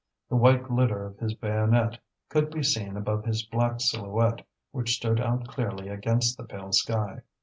The white glitter of his bayonet could be seen above his black silhouette, which stood out clearly against the pale sky.